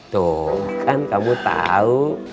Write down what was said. tuh kan kamu tahu